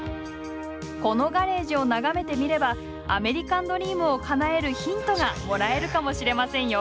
このガレージを眺めてみればアメリカンドリームをかなえるヒントがもらえるかもしれませんよ。